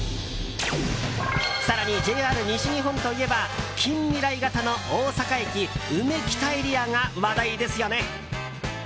更に、ＪＲ西日本といえば近未来型の大阪駅うめきたエリアが話題ですよね。